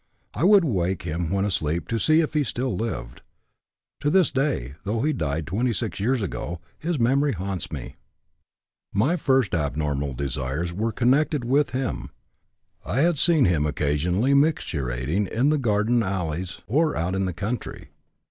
I would wake him when asleep to see if he still lived. To this day, though he died twenty six years ago, his memory haunts me. "My first abnormal desires were connected with him. I had seen him occasionally micturating in the garden alleys or out in the country.